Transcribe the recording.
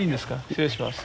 失礼します。